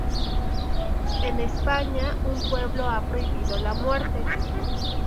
En España, un pueblo ha prohibido la muerte.